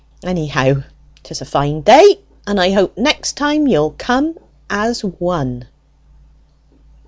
Anyhow, 'tis a fine day, and I hope next time you'll come as one."